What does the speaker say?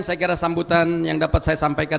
saya kira sambutan yang dapat saya sampaikan